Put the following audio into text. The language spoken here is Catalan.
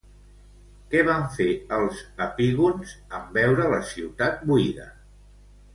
Què van fer els epígons en veure la ciutat buida?